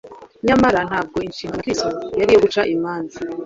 Nyamara ntabwo inshingano ya Kristo yari iyo guca imanza